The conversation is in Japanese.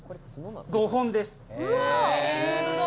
５本です。